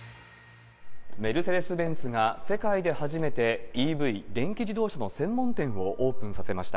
メルセデス・ベンツが世界で初めて、ＥＶ・電気自動車の専門店をオープンさせました。